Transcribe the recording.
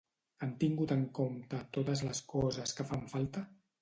Han tingut en compte totes les coses que fan falta?